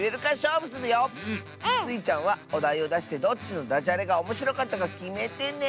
スイちゃんはおだいをだしてどっちのダジャレがおもしろかったかきめてね。